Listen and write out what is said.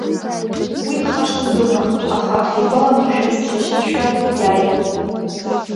Уи ихашҭны дыҟан, ахы ахьигәаланаршәаз џьашьатәшәа иааибеит.